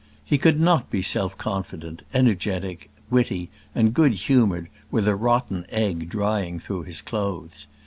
He could not be self confident, energetic, witty, and good humoured with a rotten egg drying through his clothes.